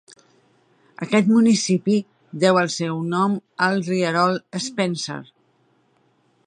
Aquest municipi deu el seu nom al rierol Spencer.